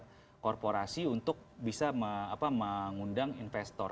dengan korporasi untuk bisa mengundang investor